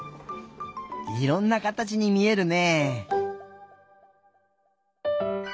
いろんなかたちにみえるねえ。